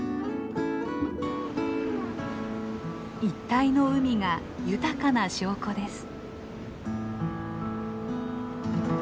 一帯の海が豊かな証拠です。